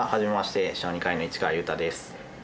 小児科医の市川裕太です。